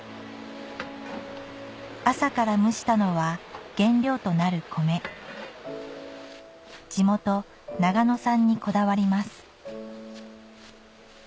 朝から蒸したのは原料となる米地元・長野産にこだわります